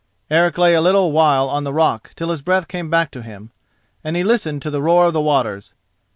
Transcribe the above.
Eric lay a little while on the rock till his breath came back to him, and he listened to the roar of the waters.